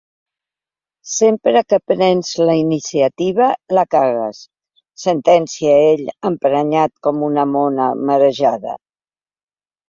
Sempre que prens la iniciativa la cagues —sentencia ell, emprenyat com una mona marejada—.